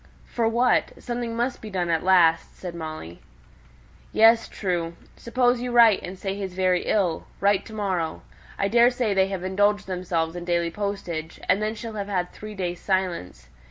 "For what? Something must be done at last," said Molly. "Yes; true. Suppose you write, and say he's very ill; write to morrow. I daresay they've indulged themselves in daily postage, and then she'll have had three days' silence.